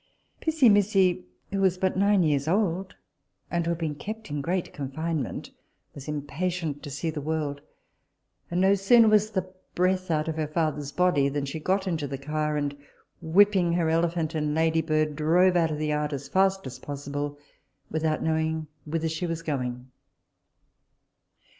Pissimissi, who was but nine years old, and who had been been kept in great confinement, was impatient to see the world; and no sooner was the breath out of her father's body, than she got into the car, and whipping her elephant and ladybird, drove out of the yard as fast as possible, without knowing whither she was going.